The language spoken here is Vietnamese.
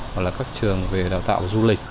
hoặc là các trường về đào tạo du lịch